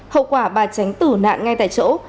hậu quả bà tránh tử nạn ngay tại chỗ